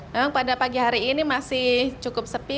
memang pada pagi hari ini masih cukup sepi